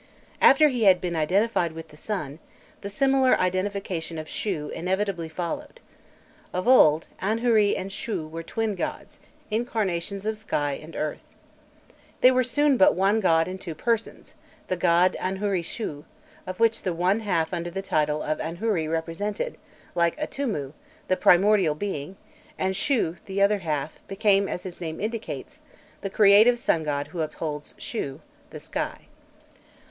After he had been identified with the sun, the similar identification of Shû inevitably followed. Of old, Anhûri and Shû were twin gods, incarnations of sky and earth. They were soon but one god in two persons the god Anhûri Shû, of which the one half under the title of Auhûri represented, like Atûmû, the primordial being; and Shû, the other half, became, as his name indicates, the creative sun god who upholds (shû) the sky.